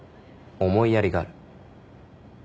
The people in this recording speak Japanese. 思いやりがある。